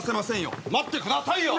待ってくださいよ。